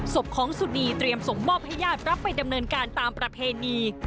ศพของสุนีเตรียมส่งมอบให้ญาติรับไปดำเนินการตามประเพณี